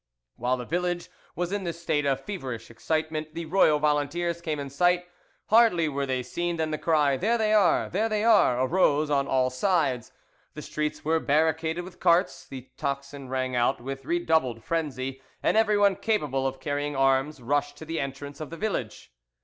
While the village was in this state of feverish excitement the royal volunteers came in sight. Hardly were they seen than the cry, "There they are! There they are!" arose on all sides, the streets were barricaded with carts, the tocsin rang out with redoubled frenzy, and everyone capable of carrying arms rushed to the entrance of the village.